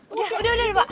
udah udah udah pak